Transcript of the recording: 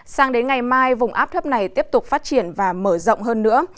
sang đến ngày mai vùng áp thấp này tiếp tục phát triển và mở rộng hơn nữa